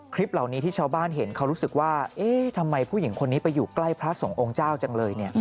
คลิปเหล่านี้ที่ชาวบ้านเห็นเขารู้สึกว่าเอ๊ะทำไมผู้หญิงคนนี้ไปอยู่ใกล้พระสงฆ์องค์เจ้าจังเลย